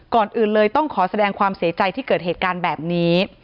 ก่อนอื่นเลยต้องขอแสดงความเสียใจที่เกิดเหตุการณ์แบบนี้